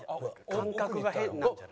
感覚が変なんじゃない？